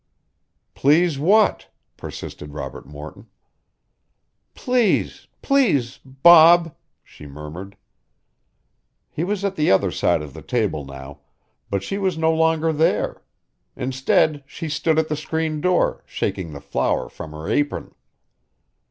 "Please what?" persisted Robert Morton. "Please please Bob," she murmured. He was at the other side of the table now, but she was no longer there. Instead she stood at the screen door, shaking the flour from her apron.